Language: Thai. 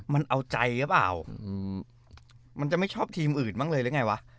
มันเอาใจหรือเปล่ามันจะไม่ชอบทีมอื่นบ้างเลยหรือไงวะ